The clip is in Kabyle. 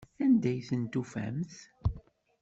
Anda i ten-tufamt?